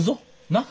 なっ？